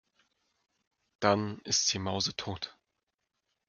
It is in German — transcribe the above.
Dann ist sie mausetot.